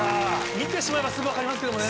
見てしまえばすぐ分かりますけどもね。